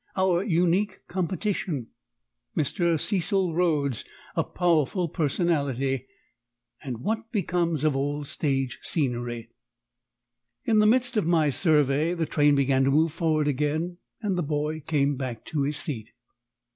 "Our Unique Competition," "Mr. Cecil Rhodes: a Powerful Personality," "What becomes of old Stage Scenery." In the midst of my survey the train began to move forward again, and the boy came back to his seat.